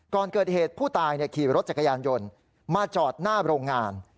ก่อนเกิดเหตุผู้ตายขี่รถจักรยานยนต์มาจอดหน้าโรงงาน